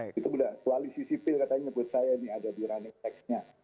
itu koalisi sipil katanya nyebut saya ini ada di running text nya